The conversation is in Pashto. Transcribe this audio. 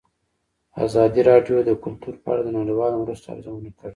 ازادي راډیو د کلتور په اړه د نړیوالو مرستو ارزونه کړې.